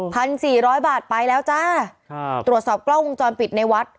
สี่ร้อยบาทไปแล้วจ้าครับตรวจสอบกล้องวงจรปิดในวัด